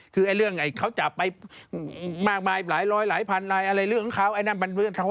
คือเรื่องไอ้เขาจะไปมากมายหลายร้อยหลายพันอะไรเรื่องของเขา